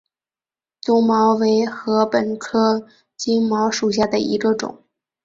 棕茅为禾本科金茅属下的一个种。